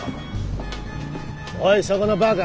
おいそこのバカ！